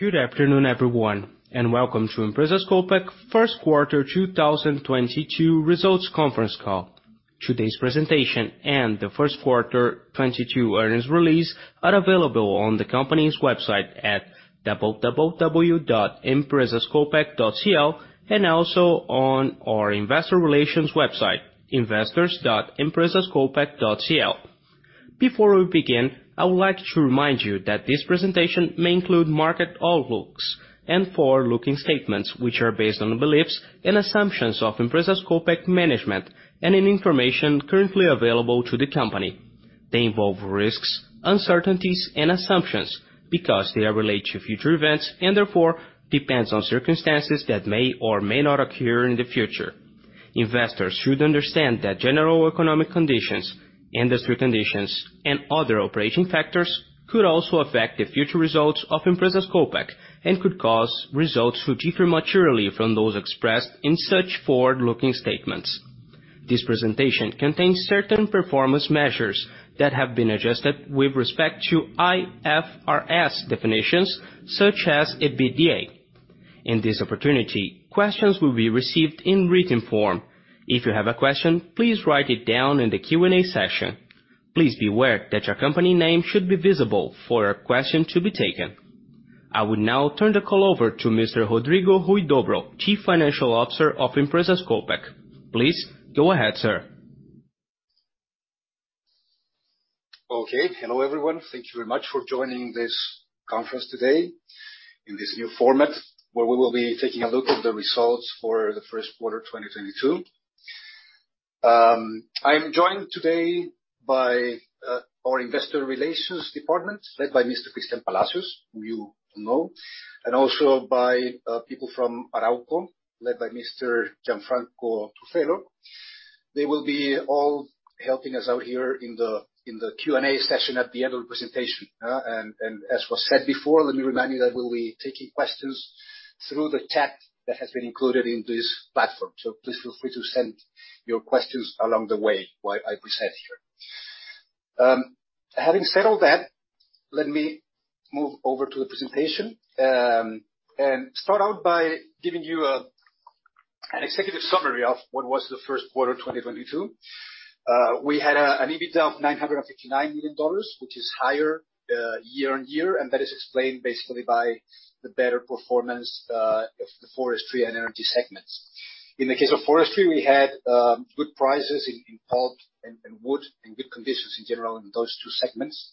Good afternoon, everyone, and welcome to Empresas Copec First Quarter 2022 Results Conference Call. Today's presentation and the first quarter 2022 earnings release are available on the company's website at www.empresascopec.cl, and also on our investor relations website, investors.empresascopec.cl. Before we begin, I would like to remind you that this presentation may include market outlooks and forward-looking statements, which are based on the beliefs and assumptions of Empresas Copec management and any information currently available to the company. They involve risks, uncertainties and assumptions because they are related to future events and therefore depends on circumstances that may or may not occur in the future. Investors should understand that general economic conditions, industry conditions, and other operating factors could also affect the future results of Empresas Copec and could cause results to differ materially from those expressed in such forward-looking statements. This presentation contains certain performance measures that have been adjusted with respect to IFRS definitions such as EBITDA. In this opportunity, questions will be received in written form. If you have a question, please write it down in the Q&A session. Please be aware that your company name should be visible for your question to be taken. I would now turn the call over to Mr. Rodrigo Huidobro, Chief Financial Officer of Empresas Copec. Please go ahead, sir. Okay. Hello, everyone. Thank you very much for joining this conference today in this new format, where we will be taking a look at the results for the first quarter 2022. I'm joined today by our investor relations department, led by Mr. Cristián Palacios González, who you know, and also by people from Arauco, led by Mr. Gianfranco Truffello. They will be all helping us out here in the Q&A session at the end of the presentation. As was said before, let me remind you that we'll be taking questions through the chat that has been included in this platform. Please feel free to send your questions along the way while I present here. Having said all that, let me move over to the presentation and start out by giving you an executive summary of what was the first quarter 2022. We had an EBITDA of $959 million, which is higher year-on-year, and that is explained basically by the better performance of the forestry and energy segments. In the case of forestry, we had good prices in pulp and wood, and good conditions in general in those two segments.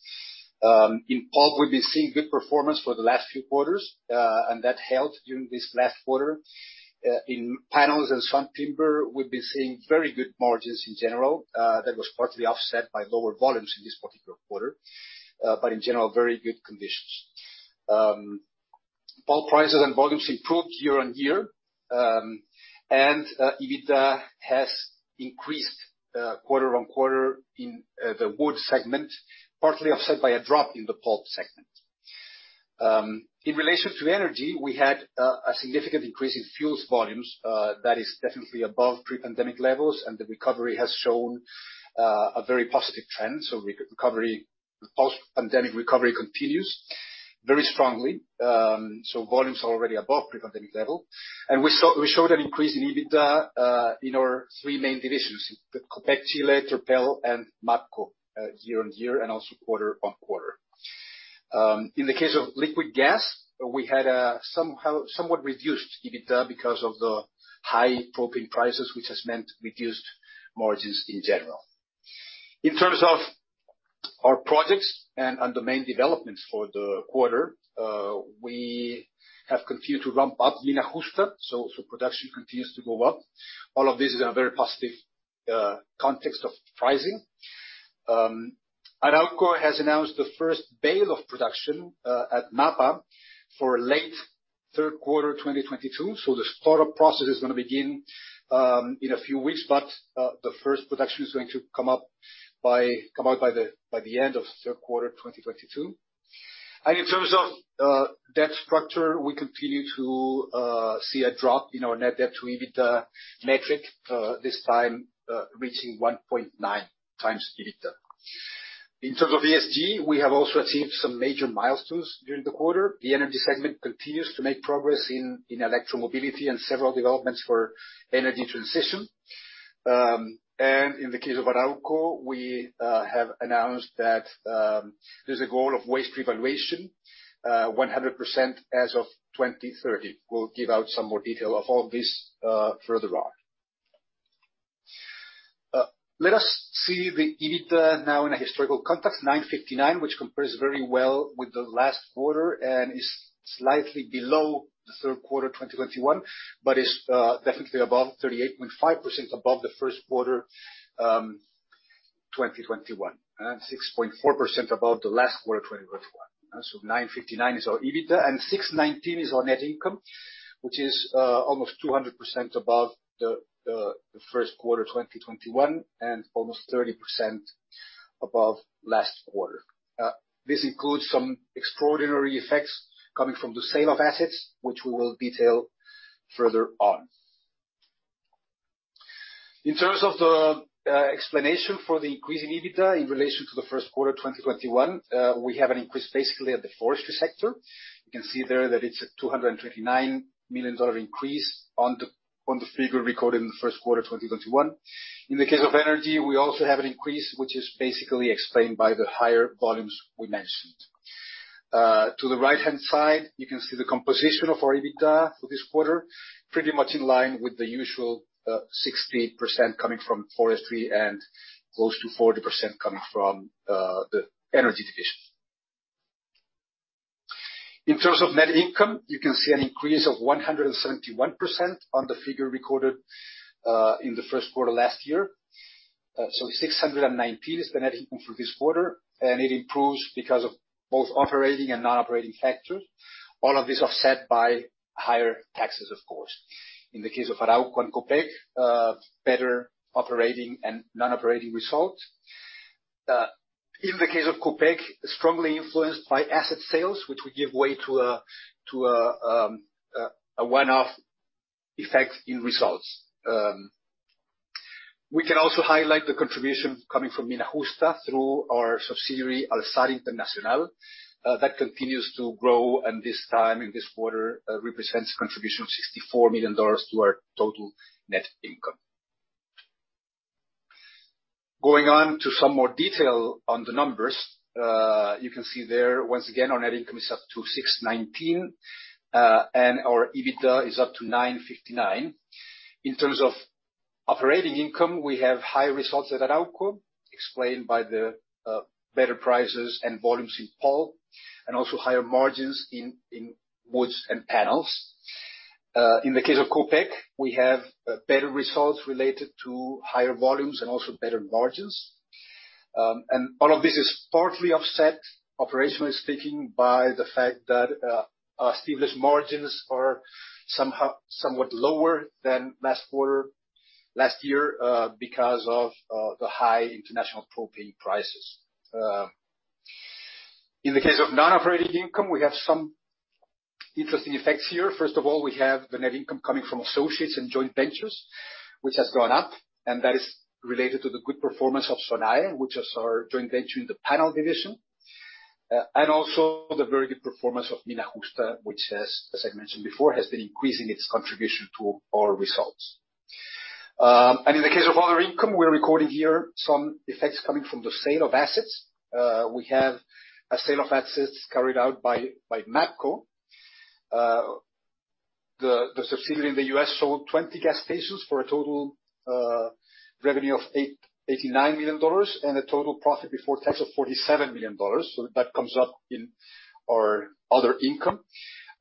In pulp, we've been seeing good performance for the last few quarters, and that helped during this last quarter. In panels and sawn timber, we've been seeing very good margins in general, that was partly offset by lower volumes in this particular quarter, but in general, very good conditions. Pulp prices and volumes improved year-on-year. EBITDA has increased quarter-on-quarter in the Wood segment, partly offset by a drop in the Pulp segment. In relation to energy, we had a significant increase in fuel volumes that is definitely above pre-pandemic levels, and the recovery has shown a very positive trend. Post-pandemic recovery continues very strongly. Volumes are already above pre-pandemic level. We showed an increase in EBITDA in our three main divisions, the Copec Chile, Terpel, and MAPCO, year-on-year and also quarter-on-quarter. In the case of liquid gas, we had somewhat reduced EBITDA because of the high propane prices, which has meant reduced margins in general. In terms of our projects and the main developments for the quarter, we have continued to ramp up Mina Justa, production continues to go up. All of this in a very positive context of pricing. Arauco has announced the first bale of production at MAPA for late third quarter 2022. The startup process is gonna begin in a few weeks. The first production is going to come out by the end of third quarter 2022. In terms of debt structure, we continue to see a drop in our net debt to EBITDA metric, this time reaching 1.9 times EBITDA. In terms of ESG, we have also achieved some major milestones during the quarter. The Energy segment continues to make progress in electromobility and several developments for energy transition. In the case of Arauco, we have announced that there's a goal of waste valorization 100% as of 2030. We'll give out some more detail of all this further on. Let us see the EBITDA now in a historical context, $959 million, which compares very well with the last quarter and is slightly below the third quarter 2021, but is definitely above 38.5% above the first quarter 2021, and 6.4% above the last quarter 2021. $959 million is our EBITDA, and $619 million is our net income, which is almost 200% above the first quarter 2021, and almost 30% above last quarter. This includes some extraordinary effects coming from the sale of assets, which we will detail further on. In terms of the explanation for the increase in EBITDA in relation to the first quarter 2021, we have an increase basically at the Forestry sector. You can see there that it's a $229 million increase on the figure recorded in the first quarter 2021. In the case of energy, we also have an increase, which is basically explained by the higher volumes we mentioned. To the right-hand side, you can see the composition of our EBITDA for this quarter, pretty much in line with the usual, 60% coming from forestry and close to 40% coming from the energy division. In terms of net income, you can see an increase of 171% on the figure recorded in the first quarter last year. $619 is the net income for this quarter, and it improves because of both operating and non-operating factors. All of this offset by higher taxes, of course. In the case of Arauco and Copec, better operating and non-operating results. In the case of Copec, strongly influenced by asset sales, which will give way to a one-off effect in results. We can also highlight the contribution coming from Mina Justa through our subsidiary, Alxar Internacional. That continues to grow, and this time, in this quarter, represents contribution of $64 million to our total net income. Going on to some more detail on the numbers, you can see there, once again, our net income is up to $619 million, and our EBITDA is up to $959 million. In terms of operating income, we have high results at Arauco, explained by the better prices and volumes in pulp, and also higher margins in woods and panels. In the case of Copec, we have better results related to higher volumes and also better margins. All of this is partly offset operationally speaking by the fact that our Abastible's margins are somewhat lower than last year because of the high international propane prices. In the case of non-operating income, we have some interesting effects here. First of all, we have the net income coming from associates and joint ventures, which has gone up, and that is related to the good performance of Sonae Arauco, which is our joint venture in the panel division, and also the very good performance of Mina Justa, which has, as I mentioned before, been increasing its contribution to our results. In the case of other income, we're recording here some effects coming from the sale of assets. We have a sale of assets carried out by MAPCO. The subsidiary in the U.S. sold 20 gas stations for a total revenue of $89 million and a total profit before tax of $47 million. That comes up in our other income.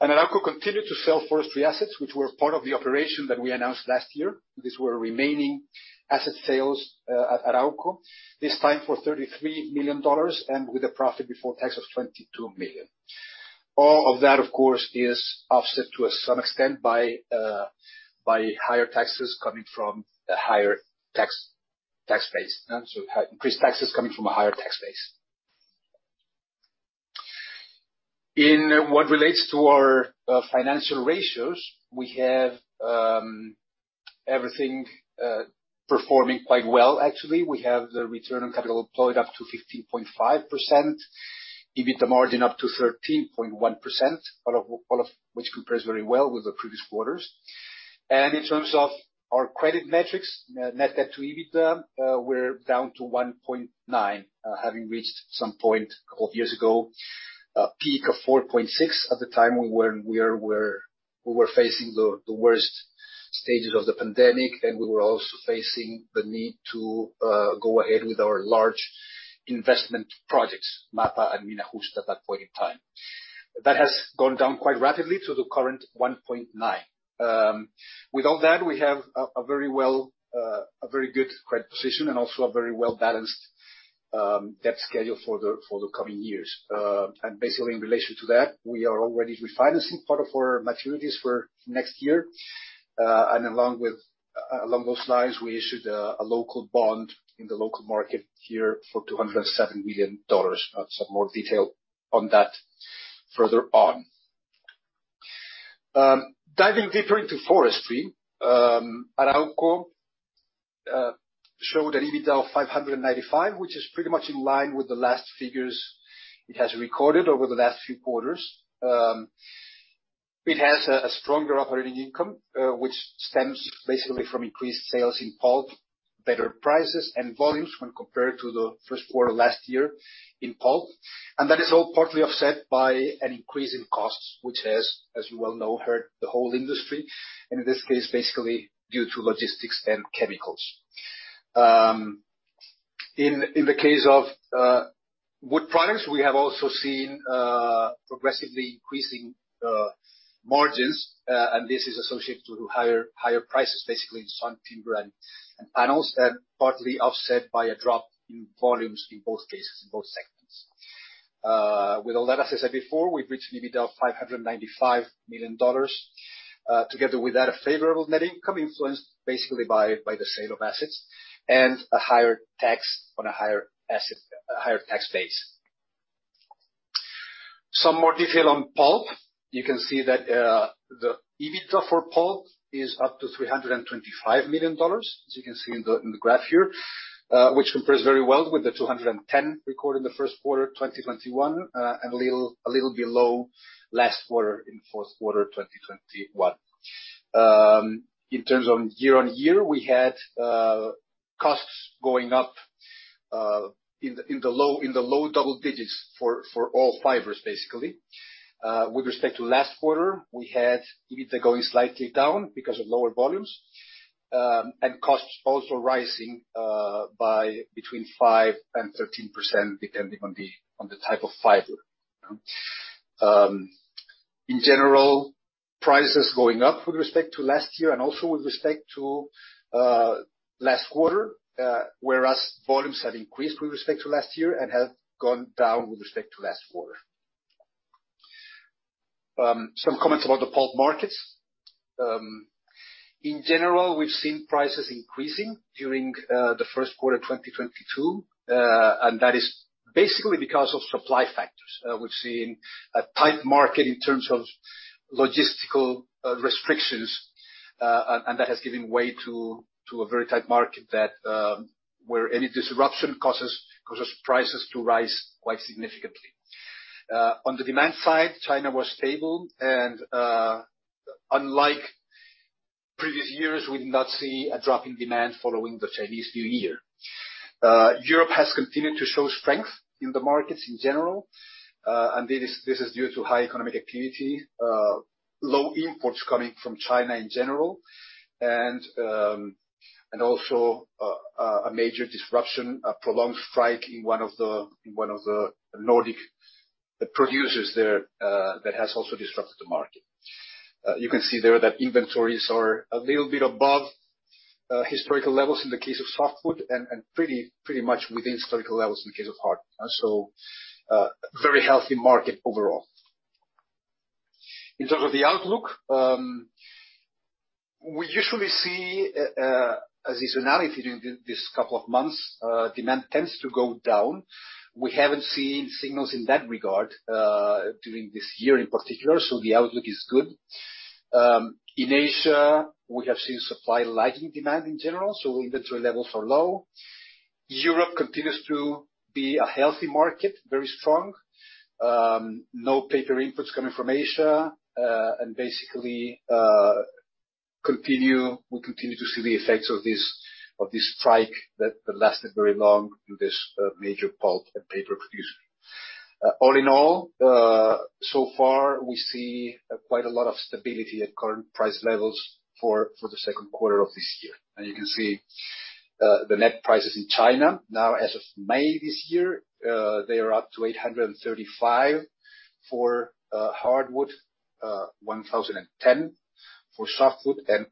Arauco continued to sell forestry assets, which were part of the operation that we announced last year. These were remaining asset sales at Arauco, this time for $33 million and with a profit before tax of $22 million. All of that, of course, is offset to some extent by higher taxes coming from the higher tax base. Increased taxes coming from a higher tax base. In what relates to our financial ratios, we have everything performing quite well, actually. We have the return on capital employed up to 15.5%. EBITDA margin up to 13.1%. All of which compares very well with the previous quarters. In terms of our credit metrics, net debt to EBITDA, we're down to 1.9, having reached some point a couple of years ago, a peak of 4.6. At the time we were facing the worst stages of the pandemic, and we were also facing the need to go ahead with our large investment projects, MAPA and Mina Justa, at that point in time. That has gone down quite rapidly to the current 1.9. With all that, we have a very good credit position and also a very well-balanced debt schedule for the coming years. Basically in relation to that, we are already refinancing part of our maturities for next year. Along those lines, we issued a local bond in the local market here for $207 million. I'll have some more detail on that further on. Diving deeper into forestry, Arauco showed an EBITDA of $595 million, which is pretty much in line with the last figures it has recorded over the last few quarters. It has a stronger operating income, which stems basically from increased sales in pulp, better prices and volumes when compared to the first quarter last year in pulp. That is all partly offset by an increase in costs, which has, as you well know, hurt the whole industry, and in this case, basically due to logistics and chemicals. In the case of wood products, we have also seen progressively increasing margins. This is associated to higher prices, basically in sawn timber and panels, partly offset by a drop in volumes in both cases, in both segments. With all that, as I said before, we've reached an EBITDA of $595 million. Together with that, a favorable net income influenced basically by the sale of assets and a higher tax base. Some more detail on pulp. You can see that the EBITDA for pulp is up to $325 million, as you can see in the graph here. Which compares very well with the $210 million recorded in the first quarter of 2021, and a little below last quarter in fourth quarter of 2021. In terms of year-on-year, we had costs going up in the low double digits for all fibers, basically. With respect to last quarter, we had EBITDA going slightly down because of lower volumes. Costs also rising by between 5% and 13%, depending on the type of fiber. In general, prices going up with respect to last year and also with respect to last quarter, whereas volumes have increased with respect to last year and have gone down with respect to last quarter. Some comments about the pulp markets. In general, we've seen prices increasing during the first quarter of 2022. That is basically because of supply factors. We've seen a tight market in terms of logistical restrictions. That has given way to a very tight market where any disruption causes prices to rise quite significantly. On the demand side, China was stable. Unlike previous years, we did not see a drop in demand following the Chinese New Year. Europe has continued to show strength in the markets in general, and this is due to high economic activity, low imports coming from China in general, and also a major disruption, a prolonged strike in one of the Nordic producers there, that has also disrupted the market. You can see there that inventories are a little bit above historical levels in the case of softwood and pretty much within historical levels in the case of hardwood. A very healthy market overall. In terms of the outlook, we usually see a seasonality during this couple of months. Demand tends to go down. We haven't seen signals in that regard during this year in particular, so the outlook is good. In Asia, we have seen supply lagging demand in general, so inventory levels are low. Europe continues to be a healthy market, very strong. No paper inputs coming from Asia. Basically, we continue to see the effects of this strike that lasted very long through this major pulp and paper producer. All in all, so far, we see quite a lot of stability at current price levels for the second quarter of this year. You can see the net prices in China. Now as of May this year, they are up to 835 for hardwood, 1,010 for softwood, and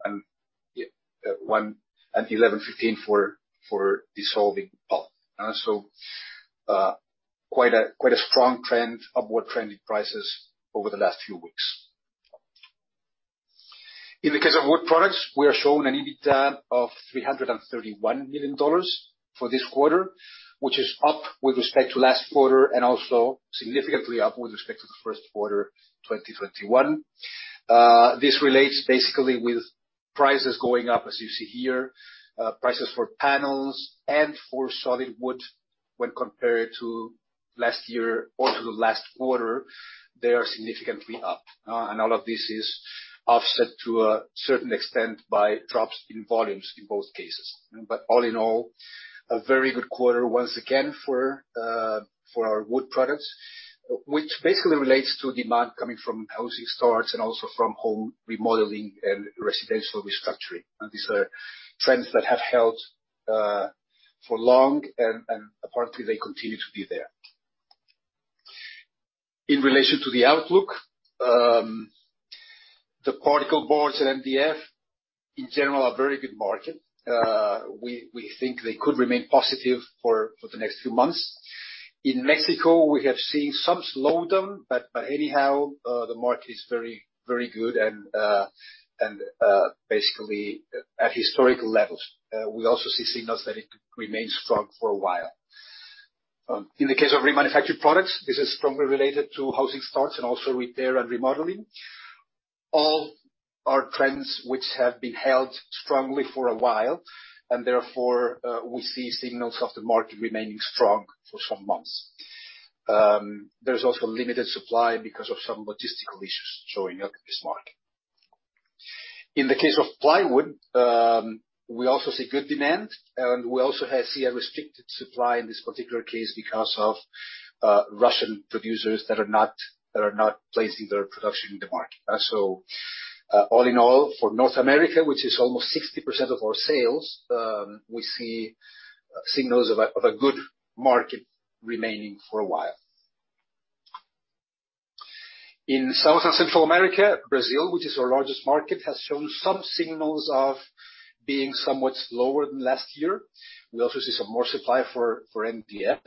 1,115 for dissolving pulp. Quite a strong trend, upward trend in prices over the last few weeks. In the case of wood products, we are showing an EBITDA of $331 million for this quarter, which is up with respect to last quarter and also significantly up with respect to the first quarter of 2021. This relates basically with prices going up, as you see here. Prices for panels and for solid wood when compared to last year or to the last quarter, they are significantly up. All of this is offset to a certain extent by drops in volumes in both cases. All in all, a very good quarter once again for our wood products, which basically relates to demand coming from housing starts and also from home remodeling and residential restructuring. These are trends that have held for long and apparently they continue to be there. In relation to the outlook, the particle boards and MDF in general are very good market. We think they could remain positive for the next few months. In Mexico, we have seen some slowdown, but anyhow, the market is very good and basically at historical levels. We also see signals that it could remain strong for a while. In the case of remanufactured products, this is strongly related to housing starts and also repair and remodeling. All are trends which have been held strongly for a while, and therefore, we see signals of the market remaining strong for some months. There's also limited supply because of some logistical issues showing up in this market. In the case of plywood, we also see good demand, and we also see a restricted supply in this particular case because of, Russian producers that are not placing their production in the market. All in all, for North America, which is almost 60% of our sales, we see signals of a good market remaining for a while. In South and Central America, Brazil, which is our largest market, has shown some signals of being somewhat slower than last year. We also see some more supply for MDF.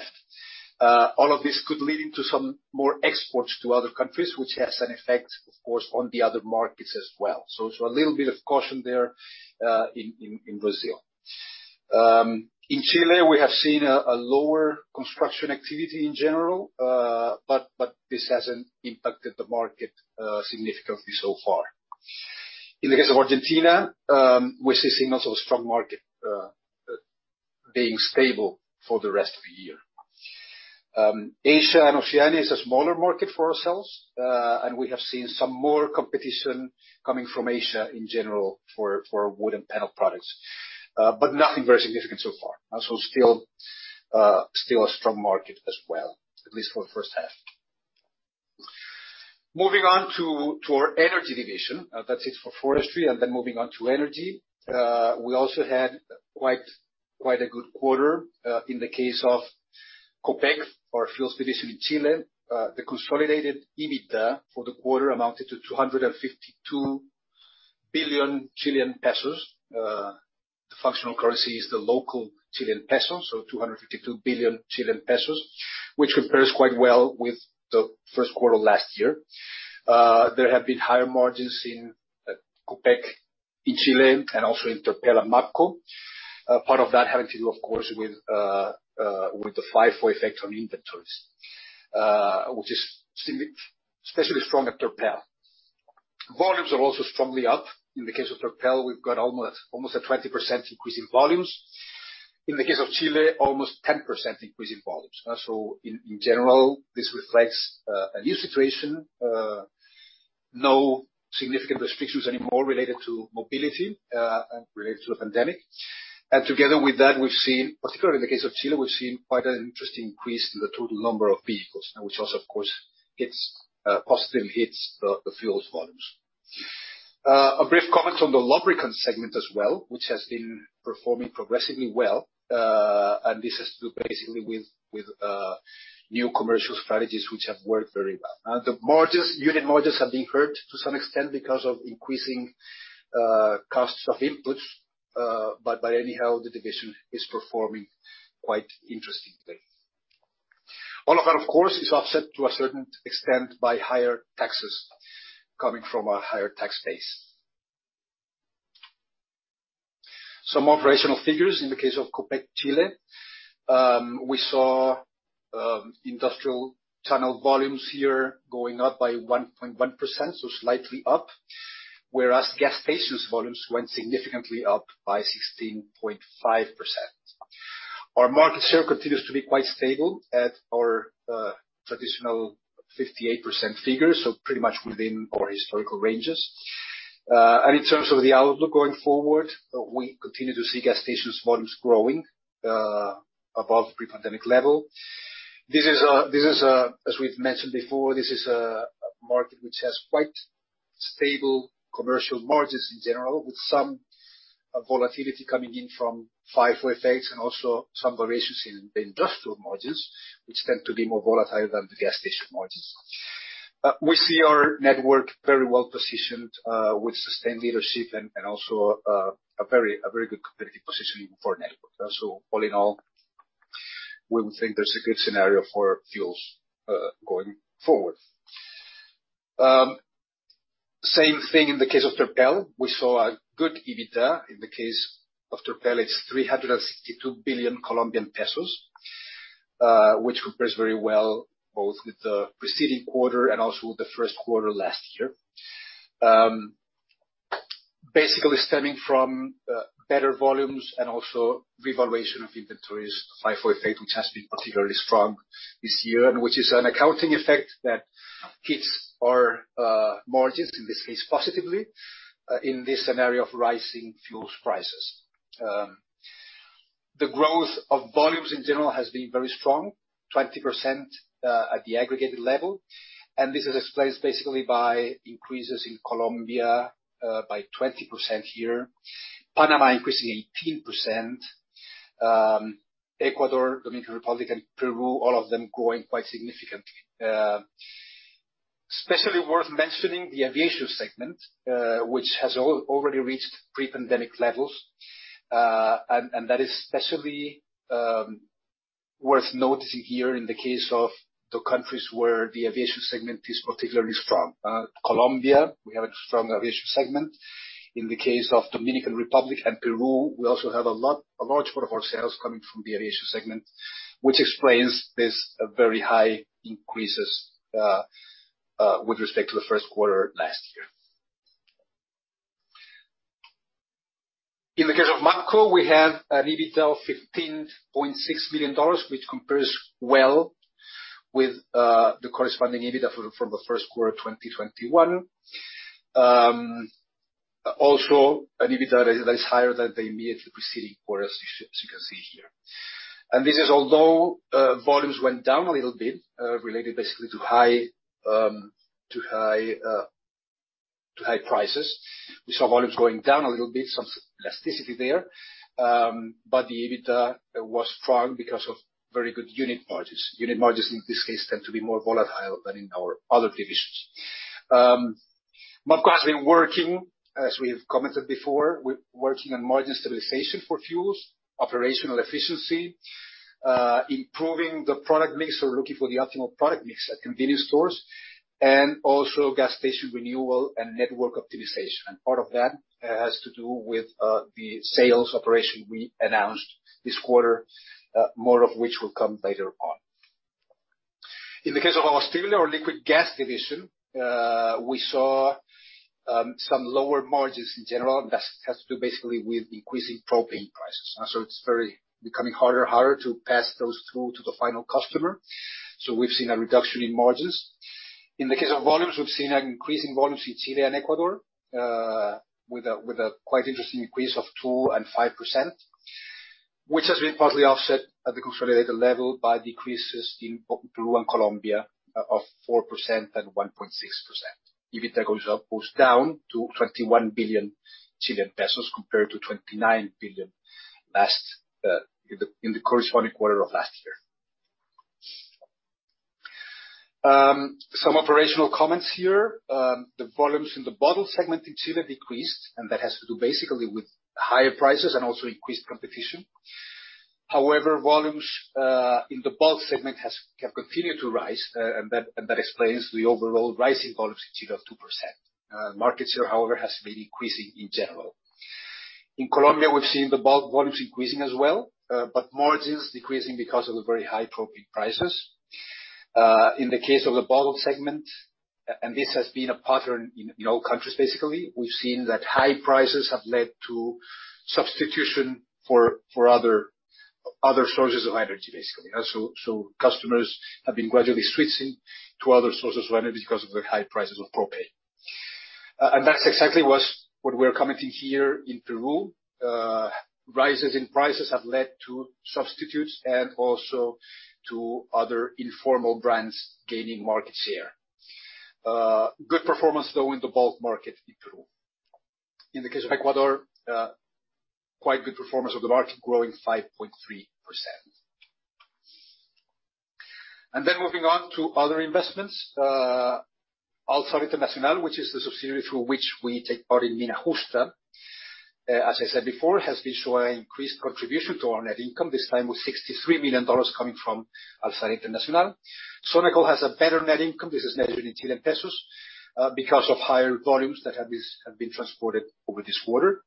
All of this could lead into some more exports to other countries, which has an effect, of course, on the other markets as well. A little bit of caution there in Brazil. In Chile, we have seen a lower construction activity in general, but this hasn't impacted the market significantly so far. In the case of Argentina, we're seeing also a strong market being stable for the rest of the year. Asia and Oceania is a smaller market for ourselves, and we have seen some more competition coming from Asia in general for wood and panel products. Nothing very significant so far. Still a strong market as well, at least for the first half. Moving on to our Energy division. That's it for Forestry, and then moving on to Energy. We also had quite a good quarter in the case of Copec, our fuels division in Chile. The consolidated EBITDA for the quarter amounted to 252 billion Chilean pesos. The functional currency is the local Chilean peso, so 252 billion Chilean pesos, which compares quite well with the first quarter last year. There have been higher margins in Copec in Chile and also in Terpel and MAPCO. Part of that having to do, of course, with the FIFO effect on inventories, which is still especially strong at Terpel. Volumes are also strongly up. In the case of Terpel, we've got almost a 20% increase in volumes. In the case of Chile, almost 10% increase in volumes. In general, this reflects a new situation. No significant restrictions anymore related to mobility and related to the pandemic. Together with that, we've seen, particularly in the case of Chile, quite an interesting increase in the total number of vehicles, which also, of course, positively hits the fuels volumes. A brief comment on the Lubricants segment as well, which has been performing progressively well. This has to do basically with new commercial strategies which have worked very well. The margins, unit margins have been hurt to some extent because of increasing costs of inputs. Anyhow, the division is performing quite interestingly. All of that, of course, is offset to a certain extent by higher taxes coming from a higher tax base. Some operational figures in the case of Copec Chile. We saw industrial fuel volumes here going up by 1.1%, so slightly up. Whereas gas stations volumes went significantly up by 16.5%. Our market share continues to be quite stable at our traditional 58% figure, so pretty much within our historical ranges. In terms of the outlook going forward, we continue to see gas stations volumes growing above pre-pandemic level. This is, as we've mentioned before, a market which has quite stable commercial margins in general, with some volatility coming in from FIFO effects and also some variations in the industrial margins, which tend to be more volatile than the gas station margins. We see our network very well positioned, with sustained leadership and also a very good competitive positioning for network. All in all, we would think there's a good scenario for fuels going forward. Same thing in the case of Terpel. We saw a good EBITDA. In the case of Terpel, it's COP 362 billion, which compares very well both with the preceding quarter and also the first quarter last year. Basically stemming from better volumes and also revaluation of inventories, FIFO effect, which has been particularly strong this year and which is an accounting effect that hits our margins, in this case, positively, in this scenario of rising fuels prices. The growth of volumes in general has been very strong, 20%, at the aggregated level, and this is explained basically by increases in Colombia, by 20% here. Panama increasing 18%. Ecuador, Dominican Republic and Peru, all of them growing quite significantly. Especially worth mentioning the Aviation segment, which has already reached pre-pandemic levels. And that is especially worth noticing here in the case of the countries where the Aviation segment is particularly strong. Colombia, we have a strong Aviation segment. In the case of Dominican Republic and Peru, we also have a large part of our sales coming from the Aviation segment, which explains this very high increases with respect to the first quarter last year. In the case of MAPCO, we have an EBITDA of $15.6 billion, which compares well with the corresponding EBITDA for the first quarter of 2021. Also an EBITDA that is higher than the immediately preceding quarter, as you can see here. This is although volumes went down a little bit, related basically to high prices. We saw volumes going down a little bit, some elasticity there. But the EBITDA was strong because of very good unit margins. Unit margins in this case tend to be more volatile than in our other divisions. MAPCO has been working, as we have commented before, working on margin stabilization for fuels, operational efficiency, improving the product mix or looking for the optimal product mix at convenience stores, and also gas station renewal and network optimization. Part of that has to do with the sales operation we announced this quarter, more of which will come later on. In the case of our Abastible or liquid gas division, we saw some lower margins in general. That has to do basically with increasing propane prices. It's becoming harder and harder to pass those through to the final customer. We've seen a reduction in margins. In the case of volumes, we've seen an increase in volumes in Chile and Ecuador, with a quite interesting increase of 2% and 5%, which has been partly offset at the consolidated level by decreases in Peru and Colombia of 4% and 1.6%. EBITDA goes down to 21 billion Chilean pesos compared to 29 billion last in the corresponding quarter of last year. Some operational comments here. The volumes in the Bottle segment in Chile decreased, and that has to do basically with higher prices and also increased competition. However, volumes in the Bulk segment have continued to rise, and that explains the overall rise in volumes in Chile of 2%. Market share, however, has been increasing in general. In Colombia, we've seen the bulk volumes increasing as well, but margins decreasing because of the very high propane prices. In the case of the Bottle segment, and this has been a pattern in all countries basically, we've seen that high prices have led to substitution for other sources of energy, basically. So customers have been gradually switching to other sources of energy because of the high prices of propane. And that's exactly what we're commenting here in Peru. Price rises have led to substitutes and also to other informal brands gaining market share. Good performance though in the bulk market in Peru. In the case of Ecuador, quite good performance of the market, growing 5.3%. Moving on to other investments. Alxar Internacional, which is the subsidiary through which we take part in Mina Justa, as I said before, has been showing increased contribution to our net income, this time with $63 million coming from Alxar Internacional. Sonacol has a better net income. This is measured in Chilean pesos, because of higher volumes that have been transported over this quarter.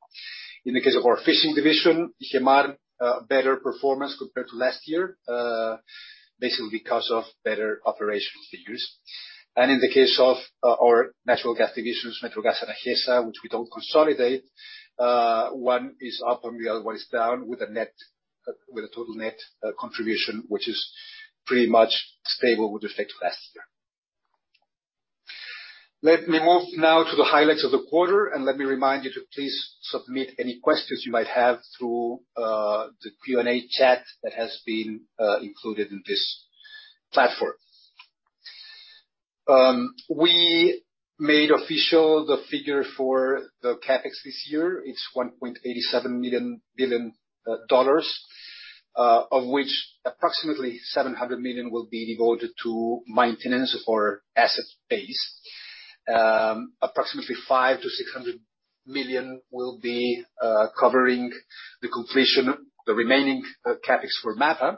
In the case of our Fishing division, Orizon, a better performance compared to last year, basically because of better operations figures. In the case of our Natural Gas divisions, Metrogas and Agesa, which we don't consolidate, one is up and the other one is down, with a total net contribution which is pretty much stable with respect to last year. Let me move now to the highlights of the quarter, and let me remind you to please submit any questions you might have through the Q&A chat that has been included in this platform. We made official the figure for the CapEx this year. It's $1.87 billion, of which approximately $700 million will be devoted to maintenance of our asset base. Approximately $500 million-$600 million will be covering the completion, the remaining CapEx for MAPA.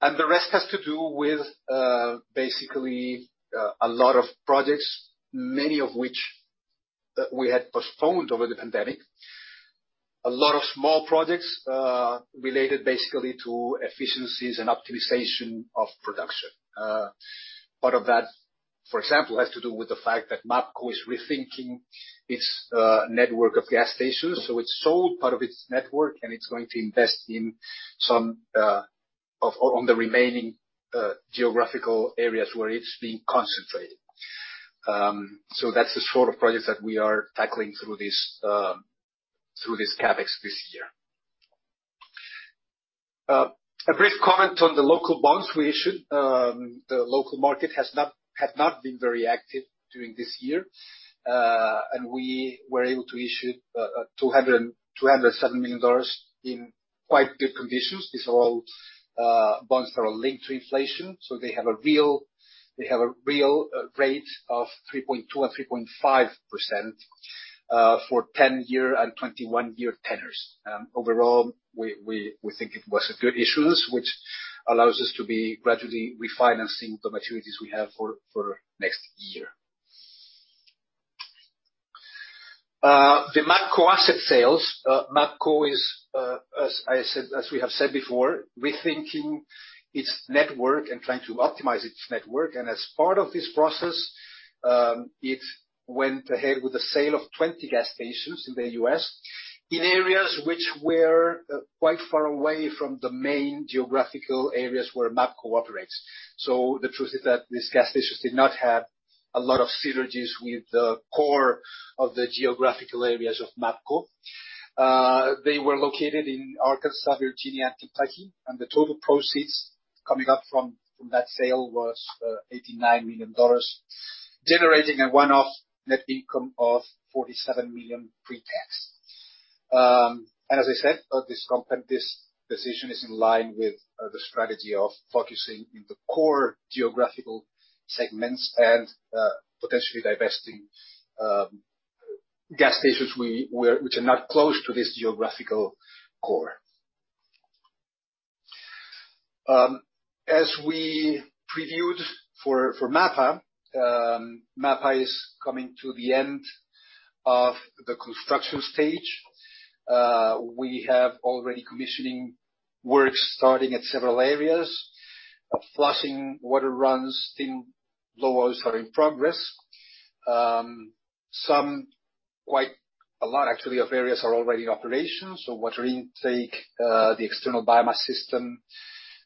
The rest has to do with basically a lot of projects, many of which we had postponed over the pandemic. A lot of small projects related basically to efficiencies and optimization of production. Part of that, for example, has to do with the fact that MAPCO is rethinking its network of gas stations, so it sold part of its network and it's going to invest in some of the remaining geographical areas where it's been concentrated. That's the sort of projects that we are tackling through this CapEx this year. A brief comment on the local bonds we issued. The local market had not been very active during this year, and we were able to issue $207 million in quite good conditions. These are all bonds that are linked to inflation, so they have a real rate of 3.2% and 3.5% for 10-year and 21-year tenors. Overall, we think it was a good issuance, which allows us to be gradually refinancing the maturities we have for next year. The MAPCO asset sales. MAPCO is, as I said, as we have said before, rethinking its network and trying to optimize its network. As part of this process, it went ahead with the sale of 20 gas stations in the U.S. in areas which were quite far away from the main geographical areas where MAPCO operates. The truth is that these gas stations did not have a lot of synergies with the core of the geographical areas of MAPCO. They were located in Arkansas, Virginia, and Kentucky, and the total proceeds from that sale was $89 million, generating a one-off net income of $47 million pre-tax. As I said, this decision is in line with the strategy of focusing in the core geographical segments and potentially divesting gas stations which are not close to this geographical core. As we previewed for MAPA, MAPA is coming to the end of the construction stage. We have already commissioning work starting at several areas. Flushing, water runs in low oils are in progress. Quite a lot actually of areas are already in operation. Water intake, the external biomass system,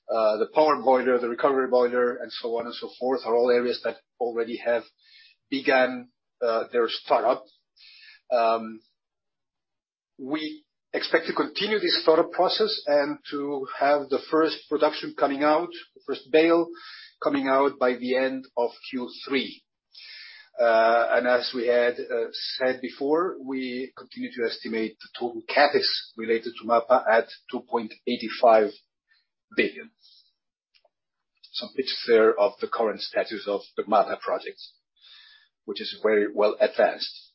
the power boiler, the recovery boiler, and so on and so forth, are all areas that already have began their start-up. We expect to continue this start-up process and to have the first production coming out, the first bale coming out by the end of Q3. As we had said before, we continue to estimate the total CapEx related to MAPA at 2.85 billion. Some pics there of the current status of the MAPA projects, which is very well advanced.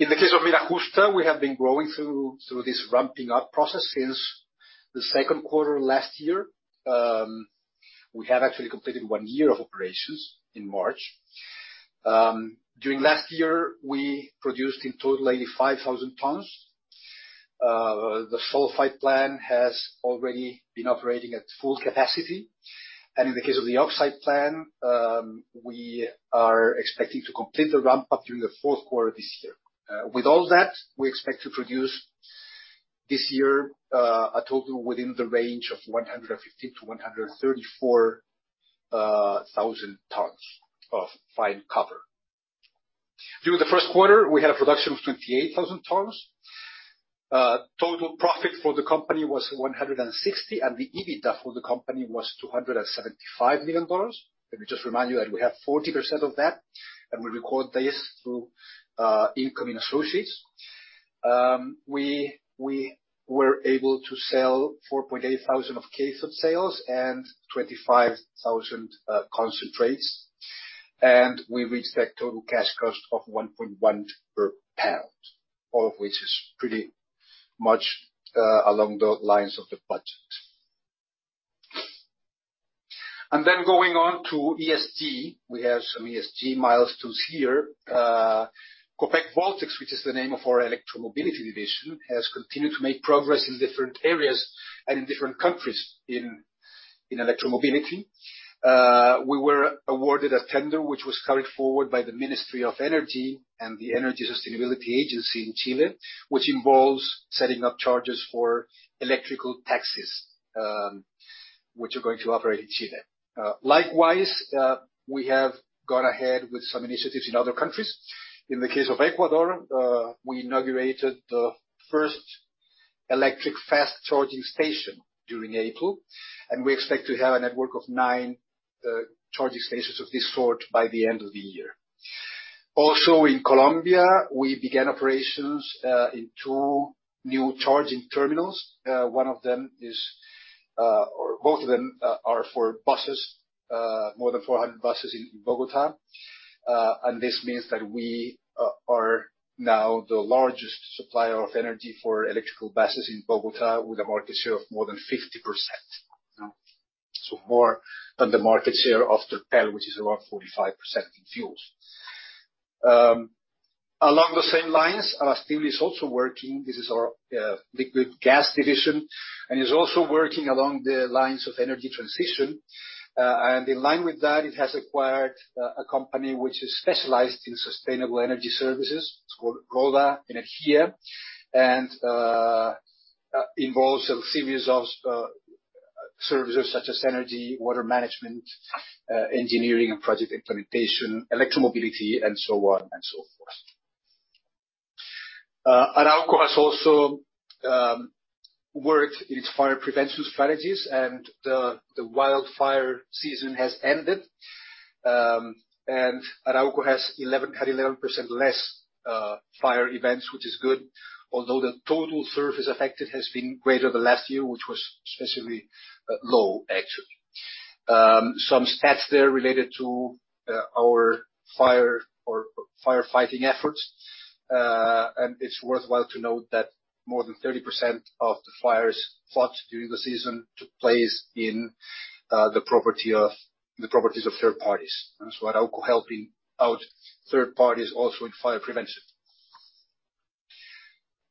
In the case of Mina Justa, we have been going through this ramping up process since the second quarter last year. We have actually completed one year of operations in March. During last year, we produced in total 85,000 tons. The sulfide plant has already been operating at full capacity. In the case of the oxide plant, we are expecting to complete the ramp up during the fourth quarter this year. With all that, we expect to produce this year a total within the range of 150,000-134,000 tons of fine copper. During the first quarter, we had a production of 28,000 tons. Total profit for the company was $160 million, and the EBITDA for the company was $275 million. Let me just remind you that we have 40% of that, and we record this through income in associates. We were able to sell 4,800 tons of cathodes and 25,000 tons of concentrates. We reached that total cash cost of $1.1 per pound, all of which is pretty much along the lines of the budget. Going on to ESG. We have some ESG milestones here. Copec Voltex, which is the name of our electromobility division, has continued to make progress in different areas and in different countries in electromobility. We were awarded a tender, which was carried forward by the Ministry of Energy and the Agency of Sustainable Energy in Chile, which involves setting up chargers for electric taxis, which are going to operate in Chile. Likewise, we have gone ahead with some initiatives in other countries. In the case of Ecuador, we inaugurated the first electric fast charging station during April, and we expect to have a network of nine charging stations of this sort by the end of the year. Also, in Colombia, we began operations in two new charging terminals. Both of them are for buses, more than 400 buses in Bogotá. This means that we are now the largest supplier of energy for electric buses in Bogotá with a market share of more than 50%. More than the market share of Terpel, which is around 45% in fuels. Along the same lines, Abastible is also working. This is our liquid gas division, and is also working along the lines of energy transition. In line with that, it has acquired a company which is specialized in sustainable energy services. It's called Roda Energía, and involves a series of services such as energy, water management, engineering and project implementation, electromobility, and so on and so forth. Arauco has also worked its fire prevention strategies, and the wildfire season has ended. Arauco had 11% less fire events, which is good, although the total surface affected has been greater than last year, which was especially low, actually. Some stats there related to our fire or firefighting efforts. It's worthwhile to note that more than 30% of the fires fought during the season took place in the properties of third parties. Arauco helping out third parties also in fire prevention.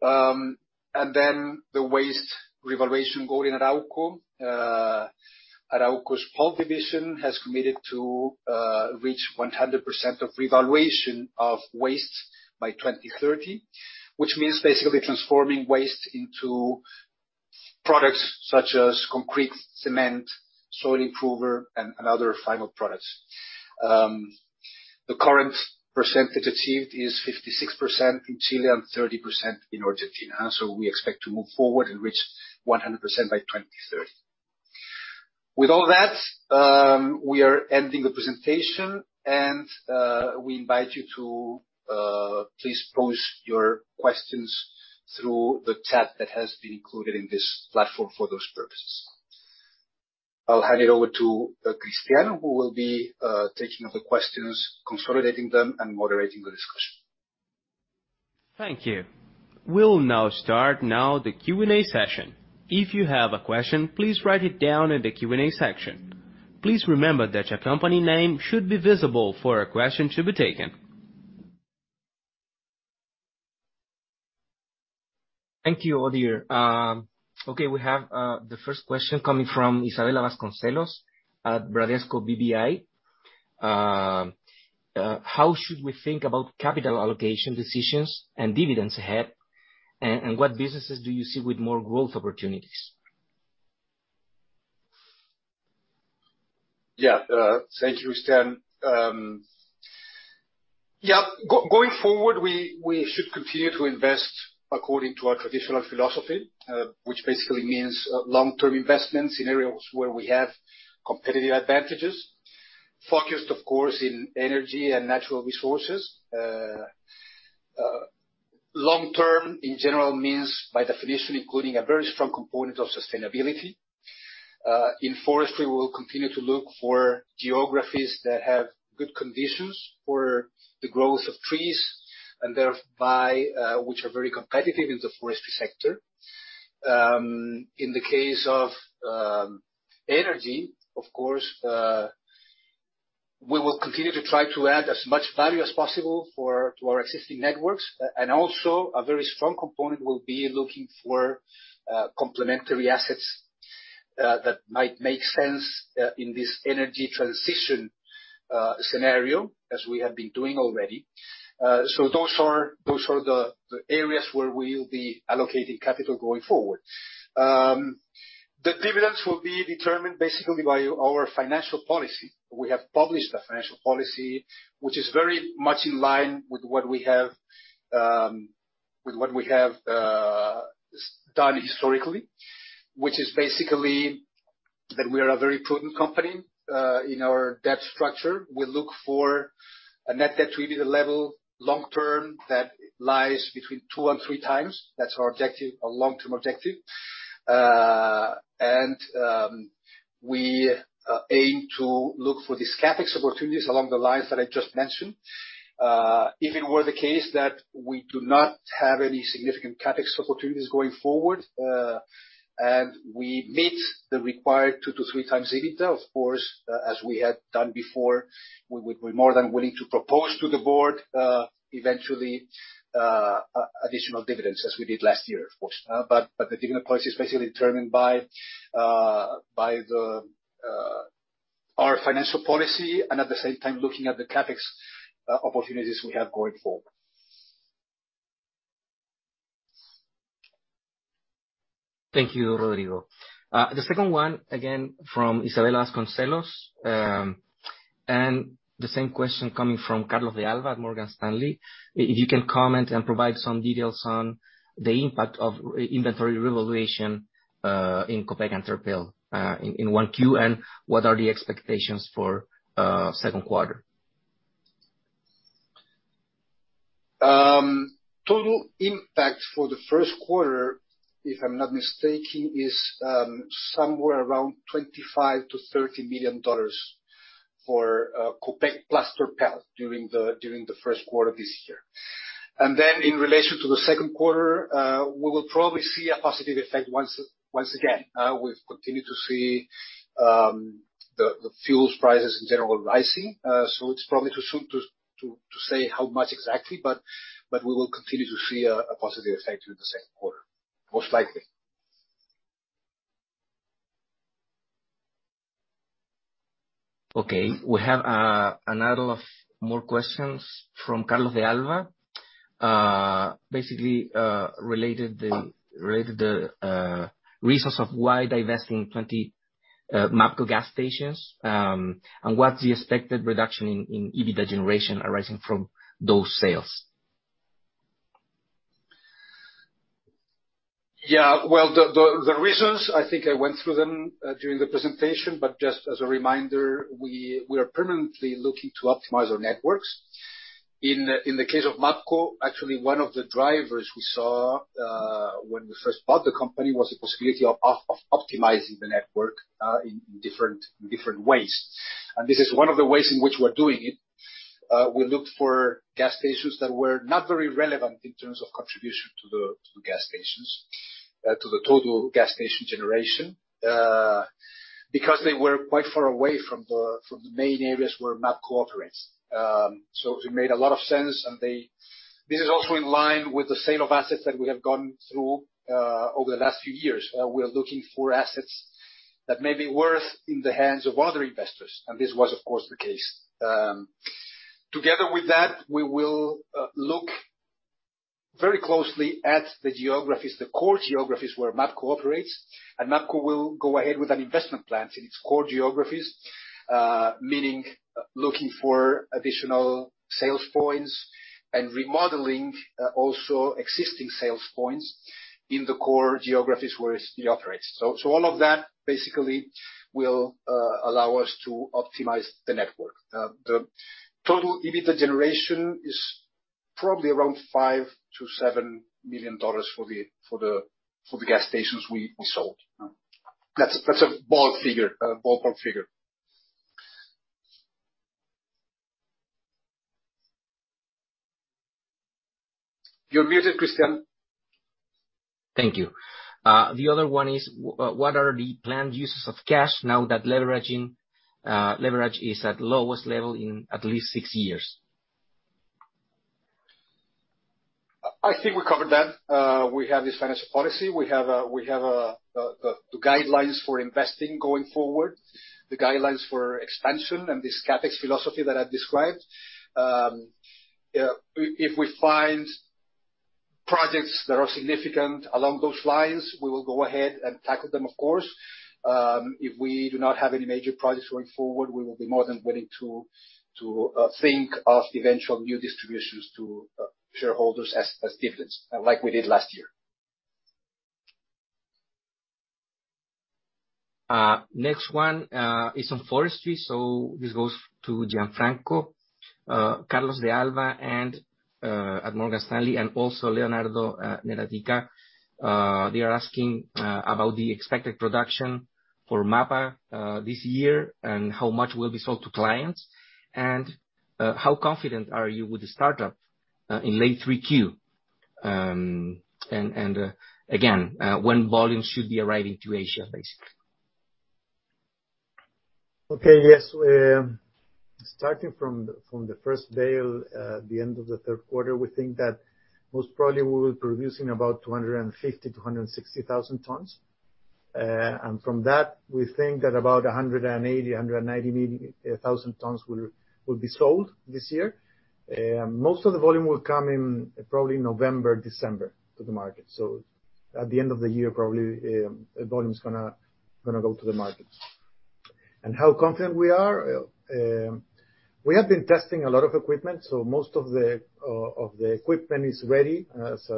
The waste revaluation goal in Arauco. Arauco's pulp division has committed to reach 100% of revaluation of waste by 2030, which means basically transforming waste into products such as concrete, cement, soil improver, and other final products. The current percentage achieved is 56% in Chile and 30% in Argentina. We expect to move forward and reach 100% by 2030. With all that, we are ending the presentation and we invite you to please pose your questions through the chat that has been included in this platform for those purposes. I'll hand it over to Cristián, who will be taking up the questions, consolidating them, and moderating the discussion. Thank you. We'll now start the Q&A session. If you have a question, please write it down in the Q&A section. Please remember that your company name should be visible for a question to be taken. Thank you, Operator. Okay, we have the first question coming from Isabella Vasconcelos at Bradesco BBI. How should we think about capital allocation decisions and dividends ahead, and what businesses do you see with more growth opportunities? Thank you, Cristián. Going forward, we should continue to invest according to our traditional philosophy, which basically means long-term investments in areas where we have competitive advantages. Focused, of course, in energy and natural resources. Long-term, in general, means by definition, including a very strong component of sustainability. In Forestry, we'll continue to look for geographies that have good conditions for the growth of trees, and thereby, which are very competitive in the Forestry sector. In the case of energy, of course, we will continue to try to add as much value as possible to our existing networks. A very strong component will be looking for complementary assets that might make sense in this energy transition scenario, as we have been doing already. Those are the areas where we'll be allocating capital going forward. The dividends will be determined basically by our financial policy. We have published the financial policy, which is very much in line with what we have done historically. Which is basically that we are a very prudent company in our debt structure. We look for a net debt to EBITDA level long-term that lies between two and three times. That's our objective, our long-term objective. We aim to look for these CapEx opportunities along the lines that I just mentioned. If it were the case that we do not have any significant CapEx opportunities going forward, and we meet the required 2-3 times EBITDA, of course, as we have done before, we're more than willing to propose to the board, eventually, additional dividends, as we did last year, of course. The dividend policy is basically determined by our financial policy, and at the same time, looking at the CapEx opportunities we have going forward. Thank you, Rodrigo. The second one, again, from Isabella Vasconcelos. The same question coming from Carlos de Alba at Morgan Stanley. If you can comment and provide some details on the impact of inventory revaluation in Copec and Terpel in 1Q, and what are the expectations for second quarter? Total impact for the first quarter, if I'm not mistaken, is somewhere around $25 million-$30 million for Copec plus Terpel during the first quarter this year. In relation to the second quarter, we will probably see a positive effect once again. We've continued to see the fuel prices in general rising. It's probably too soon to say how much exactly, but we will continue to see a positive effect through the second quarter, most likely. Okay. We have another or more questions from Carlos de Alba, basically, related to the reasons why divesting 20 MAPCO gas stations, and what's the expected reduction in EBITDA generation arising from those sales? Yeah. Well, the reasons, I think I went through them during the presentation, but just as a reminder, we are permanently looking to optimize our networks. In the case of MAPCO, actually one of the drivers we saw when we first bought the company was the possibility of optimizing the network in different ways. This is one of the ways in which we're doing it. We looked for gas stations that were not very relevant in terms of contribution to the total gas station generation because they were quite far away from the main areas where MAPCO operates. It made a lot of sense. This is also in line with the sale of assets that we have gone through over the last few years. We are looking for assets that may be worth in the hands of other investors, and this was of course the case. Together with that, we will look very closely at the geographies, the core geographies where MAPCO operates, and MAPCO will go ahead with an investment plan in its core geographies, meaning looking for additional sales points and remodeling also existing sales points in the core geographies where it operates. All of that, basically, will allow us to optimize the network. The total EBITDA generation is probably around $5 million-$7 million for the gas stations we sold. That's a bold figure. You're muted, Cristián. Thank you. The other one is, what are the planned uses of cash now that leverage is at lowest level in at least six years? I think we covered that. We have this financial policy. We have the guidelines for investing going forward, the guidelines for expansion and this CapEx philosophy that I described. If we find projects that are significant along those lines, we will go ahead and tackle them, of course. If we do not have any major projects going forward, we will be more than willing to think of eventual new distributions to shareholders as dividends, like we did last year. Next one is on Forestry. This goes to Gianfranco, Carlos de Alba at Morgan Stanley, and also Leonardo Neratika. They are asking about the expected production for MAPA this year and how much will be sold to clients. How confident are you with the startup in late 3Q, and again, when volumes should be arriving to Asia, basically. Okay. Yes. Starting from the end of the third quarter, we think that most probably we will producing about 250,000-260,000 tons. From that, we think that about 180,000-190,000 tons maybe will be sold this year. Most of the volume will come in probably November, December to the market. At the end of the year, probably, the volume is gonna go to the markets. How confident we are? We have been testing a lot of equipment, so most of the equipment is ready. As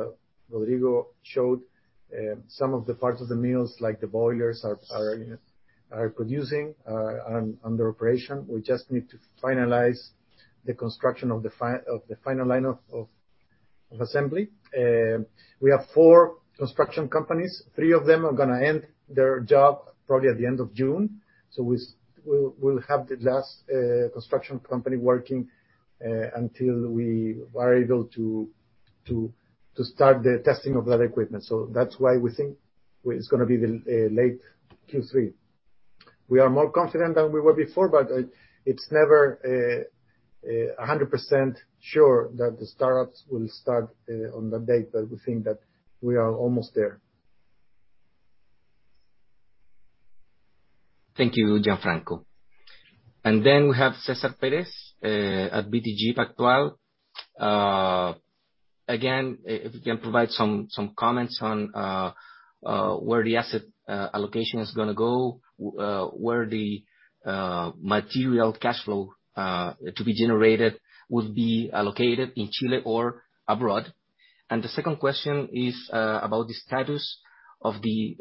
Rodrigo showed, some of the parts of the mills, like the boilers, you know, are producing and in operation. We just need to finalize the construction of the final line of assembly. We have four construction companies. Three of them are gonna end their job probably at the end of June. We'll have the last construction company working until we are able to start the testing of that equipment. That's why we think it's gonna be the late Q3. We are more confident than we were before, but it's never 100% sure that the startups will start on the date. We think that we are almost there. Thank you, Gianfranco. We have César Pérez-Novoa at BTG Pactual. Again, if you can provide some comments on where the asset allocation is gonna go, where the material cashflow to be generated will be allocated in Chile or abroad. The second question is about the status of the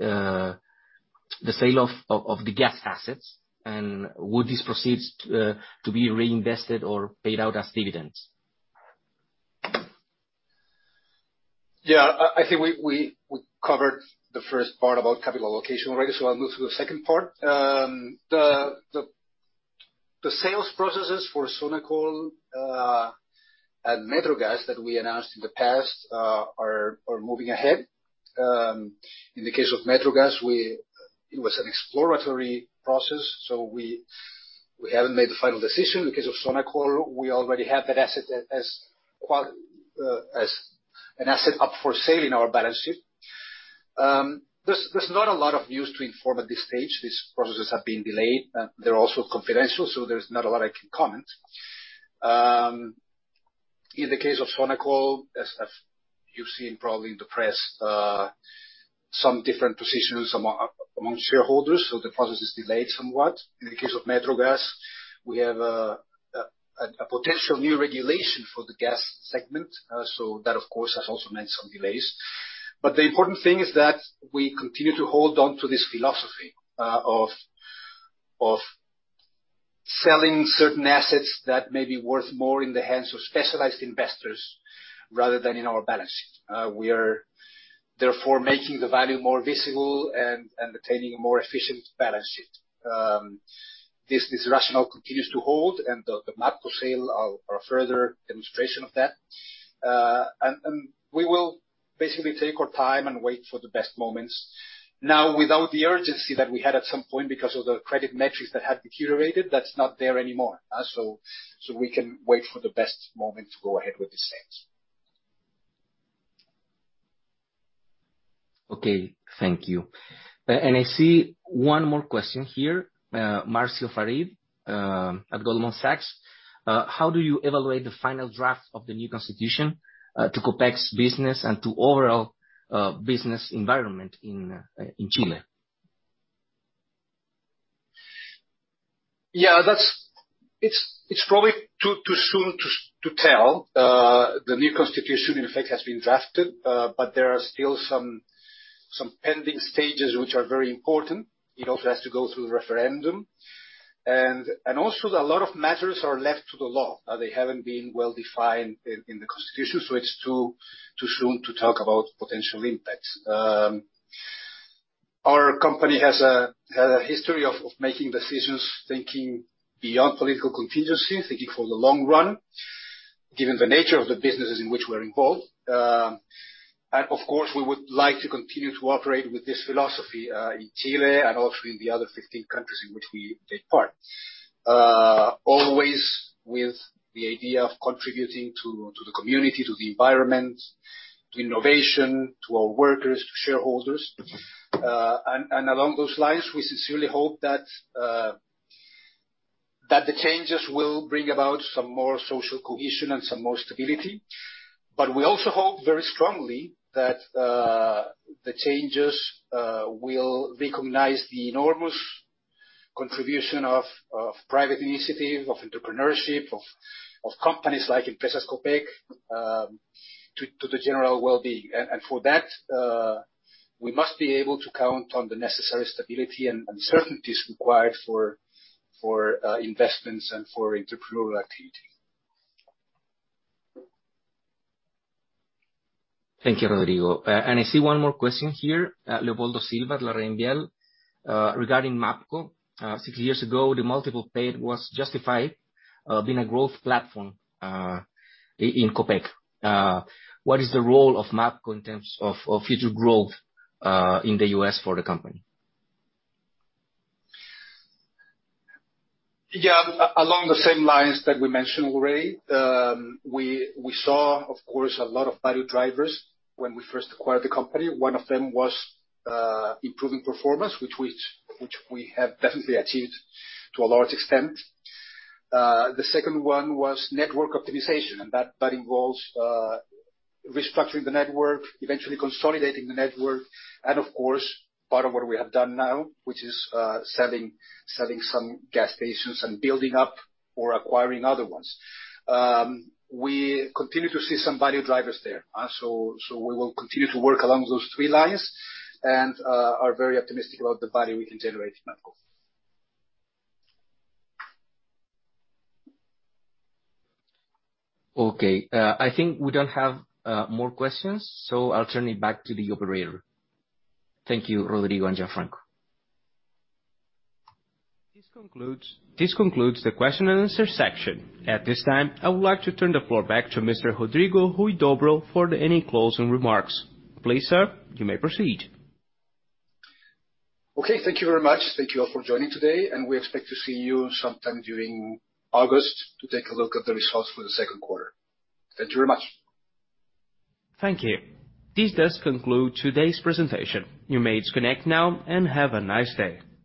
sale of the gas assets, and would these proceeds to be reinvested or paid out as dividends? I think we covered the first part about capital allocation already, so I'll move to the second part. The sales processes for Sonacol and Metrogas that we announced in the past are moving ahead. In the case of Metrogas, it was an exploratory process, so we haven't made the final decision. In the case of Sonacol, we already have that asset as an asset up for sale in our balance sheet. There's not a lot of news to inform at this stage. These processes have been delayed. They're also confidential, so there's not a lot I can comment. In the case of Sonacol, as you've seen probably in the press, some different positions among shareholders, so the process is delayed somewhat. In the case of Metrogas, we have a potential new regulation for the Gas segment. That of course has also meant some delays. The important thing is that we continue to hold on to this philosophy of selling certain assets that may be worth more in the hands of specialized investors rather than in our balance sheet. We are therefore making the value more visible and attaining a more efficient balance sheet. This rationale continues to hold, and the MAPA for sale are a further demonstration of that. We will basically take our time and wait for the best moments. Now, without the urgency that we had at some point because of the credit metrics that had accumulated, that's not there anymore. We can wait for the best moment to go ahead with the sales. Okay. Thank you. I see one more question here. Marcio Farid at Goldman Sachs. How do you evaluate the final draft of the new constitution to Copec's business and to overall business environment in Chile? It's probably too soon to tell. The new constitution in effect has been drafted, but there are still some pending stages which are very important. It also has to go through referendum. Also a lot of matters are left to the law. They haven't been well-defined in the Constitution, so it's too soon to talk about potential impacts. Our company has had a history of making decisions, thinking beyond political contingencies, thinking for the long run, given the nature of the businesses in which we're involved. Of course, we would like to continue to operate with this philosophy in Chile and also in the other 15 countries in which we take part. Always with the idea of contributing to the community, to the environment, to innovation, to our workers, to shareholders. Along those lines, we sincerely hope that the changes will bring about some more social cohesion and some more stability. We also hope very strongly that the changes will recognize the enormous contribution of private initiative, of entrepreneurship, of companies like Empresas Copec to the general well-being. For that, we must be able to count on the necessary stability and certainties required for investments and for entrepreneurial activity. Thank you, Rodrigo. I see one more question here. Leopoldo Silva at LarrainVial, regarding MAPCO. Six years ago, the multiple paid was justified, being a growth platform, in Copec. What is the role of MAPCO in terms of future growth, in the U.S. for the company? Yeah. Along the same lines that we mentioned already. We saw, of course, a lot of value drivers when we first acquired the company. One of them was improving performance, which we have definitely achieved to a large extent. The second one was network optimization, and that involves restructuring the network, eventually consolidating the network, and of course, part of what we have done now, which is selling some gas stations and building up or acquiring other ones. We continue to see some value drivers there. So we will continue to work along those three lines, and are very optimistic about the value we can generate in MAPCO. Okay. I think we don't have more questions, so I'll turn it back to the operator. Thank you, Rodrigo and Gianfranco. This concludes the question and answer section. At this time, I would like to turn the floor back to Mr. Rodrigo Huidobro for any closing remarks. Please, sir, you may proceed. Okay. Thank you very much. Thank you all for joining today, and we expect to see you sometime during August to take a look at the results for the second quarter. Thank you very much. Thank you. This does conclude today's presentation. You may disconnect now, and have a nice day.